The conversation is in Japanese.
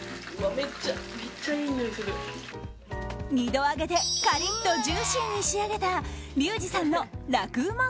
２度揚げでカリッとジューシーに仕上げたリュウジさんの楽ウマ！